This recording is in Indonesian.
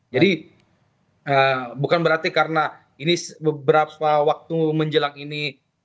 jadi bukan berarti karena ini beberapa waktu menjelang ini